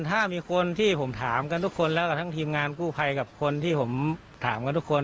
ถ้ามีคนที่ผมถามกันทุกคนแล้วกับทั้งทีมงานกู้ภัยกับคนที่ผมถามกันทุกคน